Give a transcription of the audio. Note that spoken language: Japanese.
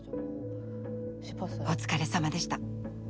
お疲れさまでした。